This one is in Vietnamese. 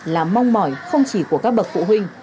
là mong mỏi không chỉ của các bậc phụ huynh